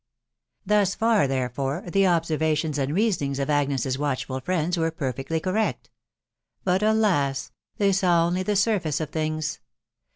Thus far, therefore, the observations and reasonings of Agnes's watchful friends were perfectly correct. But, alas ! they saw only the surface of things.